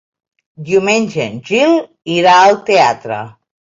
Diumenge en Gil irà al teatre.